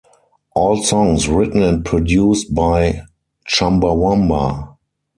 All songs written and produced by Chumbawamba.